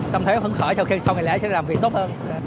tâm thế phấn khởi sau ngày lễ sẽ làm việc tốt hơn